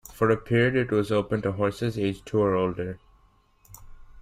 For a period it was open to horses aged two or older.